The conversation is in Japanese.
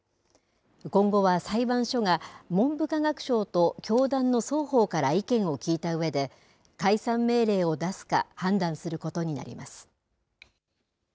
今後は裁判所が文部科学省と教団の双方から意見を聞いたうえで、解散命令を出すか、判断することになります。